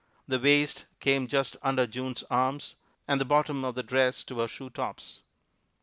The waist came just under June's arms, and the bottom of the dress to her shoe tops.